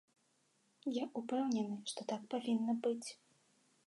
Я ўпэўнены, што так павінна быць.